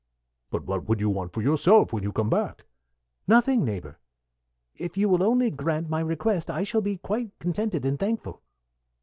"But what would you want for yourself when you come back?" "Nothing, neighbor. If you will only grant my request I shall be quite contented and thankful."